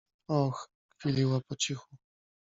Och! — kwiliła po cichu.